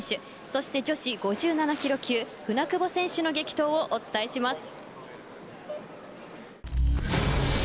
そして、女子５７ｋｇ級舟久保選手の激闘をお伝えします。